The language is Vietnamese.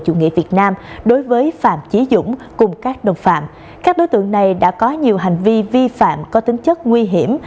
chủ nghĩa việt nam đối với phạm chí dũng cùng các đồng phạm các đối tượng này đã có nhiều hành vi vi phạm có tính chất nguy hiểm